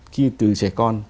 khi từ trẻ con